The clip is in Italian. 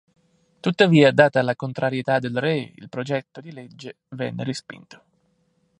Tuttavia, data la contrarietà del re il progetto di legge venne respinto.